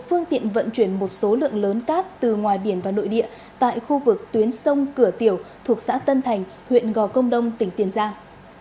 phương tiện vận chuyển một số lượng lớn cát từ ngoài biển và nội địa tại khu vực tuyến sông cửa tiểu thuộc xã tân thành huyện gò công đông tỉnh tiền giang